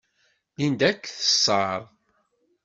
Linda ad k-teṣṣer.